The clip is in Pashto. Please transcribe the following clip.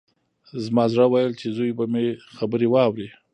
زما زړه ويل چې زوی به مې خبرې واوري.